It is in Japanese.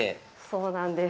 そうなんです。